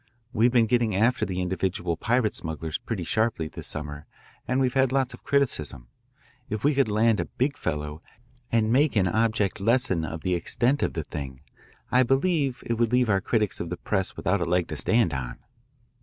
We've been getting after the individual private smugglers pretty sharply this summer and we've had lots of criticism. If we could land a big fellow and make an object lesson of the extent of the thing I believe it would leave our critics of the press without a leg to stand on.